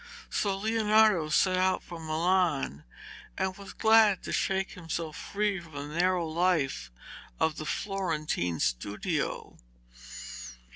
So Leonardo set out for Milan, and was glad to shake himself free from the narrow life of the Florentine studio.